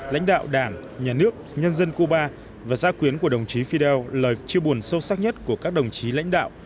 lãnh đạo đảng nhà nước nhân dân cuba và gia quyến của đồng chí fidel lời chia buồn sâu sắc nhất của các đồng chí lãnh đạo